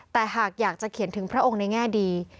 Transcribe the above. แต่หากอยากจะเขียนถึงพระองค์ในแง่ดี